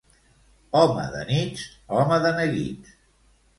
Home de nits, home de neguits.